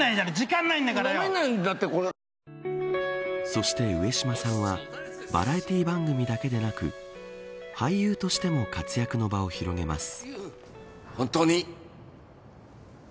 そして、上島さんはバラエティー番組だけでなく俳優としても活躍の場を広げます。